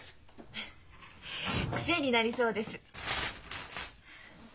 フッ癖になりそうです。